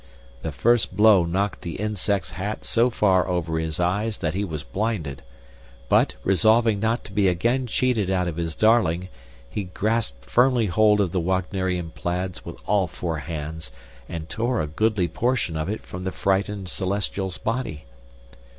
The first blow knocked the Insect's hat so far over his eyes that he was blinded; but, resolving not to be again cheated out of his darling, he grasped firmly hold of the Wagnerian plaids with all four hands, and tore a goodly portion of it from the frightened Celestial's body.